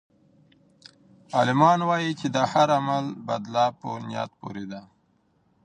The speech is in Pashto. عالمان وایي چې د هر عمل بدله په نیت پورې ده.